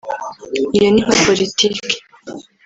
iyo ni nka politiki